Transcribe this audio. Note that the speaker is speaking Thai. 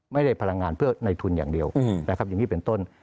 พลังงานเพื่อในทุนอย่างเดียวนะครับอย่างนี้เป็นต้น